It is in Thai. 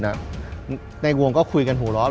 ในวงก็คุยกันหัวร้อน